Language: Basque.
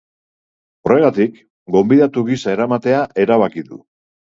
Horregatik, gonbidatu gisa eramatea erabaki du.